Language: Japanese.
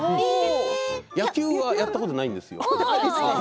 野球はやったことないんですよ。